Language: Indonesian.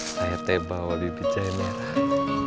sekarang kita balik ke kebun